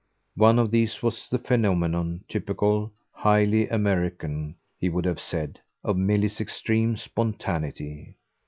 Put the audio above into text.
One of these was the phenomenon typical, highly American, he would have said of Milly's extreme spontaneity.